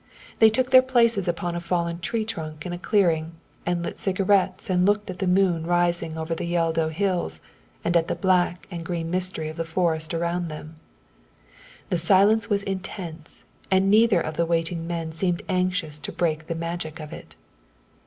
They took their places upon a fallen tree trunk in a clearing, and lit cigarettes and looked at the moon rising over the Yeldo hills and at the black and green mystery of the forest around them. The silence was intense and neither of the waiting men seemed anxious to break the magic of it.